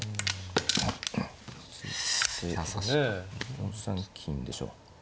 ４三金でしょ。